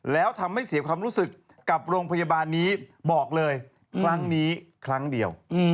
แล้วทำให้เสียความรู้สึกกับโรงพยาบาลนี้บอกเลยครั้งนี้ครั้งเดียว